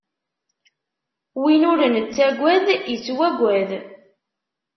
Win ur nettaggad, ittwaggad.